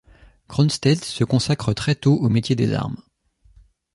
Cronstedt se consacre très tôt au métier des armes.